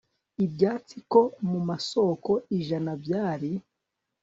Ibyatsi ko mu masoko ijana byari